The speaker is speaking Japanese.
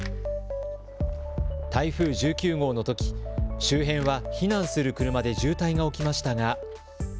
台風１９号のとき、周辺は避難する車で渋滞が起きましたが。